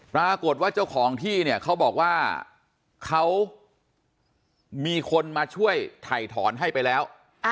ปรากฏว่าเจ้าของที่เนี่ยเขาบอกว่าเขามีคนมาช่วยถ่ายถอนให้ไปแล้ว